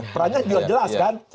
perannya juga jelas kan